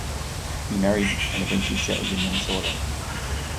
He married, and eventually settled in Minnesota.